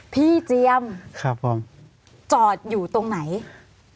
พี่เจียมจอดอยู่ตรงไหนครับผม